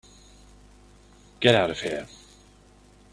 Get out of here.